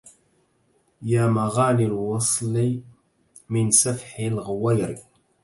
يا مغانى الوصل من سفح الغوير